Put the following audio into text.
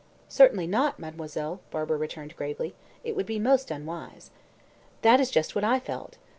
"Certainly not, mademoiselle," Barbara returned gravely. "It would be most unwise." "That is just what I felt.